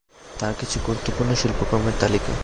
তার কিছু গুরুত্বপূর্ণ শিল্পকর্মের তালিকা